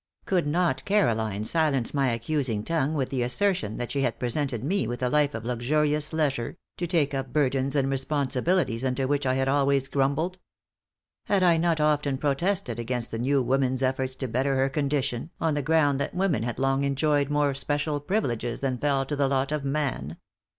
Could not Caroline silence my accusing tongue with the assertion that she had presented me with a life of luxurious leisure, to take up burdens and responsibilities under which I had always grumbled? Had I not often protested against the new woman's efforts to better her condition, on the ground that woman had long enjoyed more special privileges than fell to the lot of man?